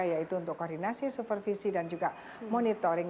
yaitu untuk koordinasi supervisi dan juga monitoring